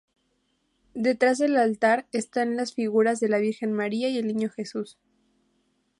Detrás del altar, están las figuras de la Virgen María y el Niño Jesús.